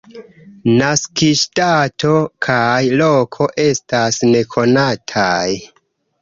Naskiĝdato kaj -loko estas nekonataj.